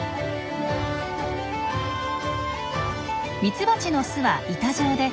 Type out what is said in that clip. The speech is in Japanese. ミツバチの巣は板状で